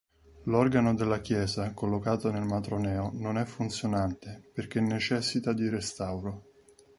L'organo della chiesa, collocato nel matroneo, non è funzionante, perché necessita di restauro.